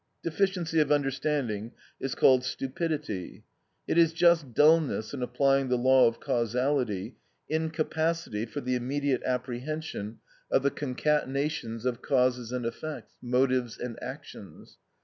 Deficiency of understanding is called stupidity. It is just dulness in applying the law of causality, incapacity for the immediate apprehension of the concatenations of causes and effects, motives and actions.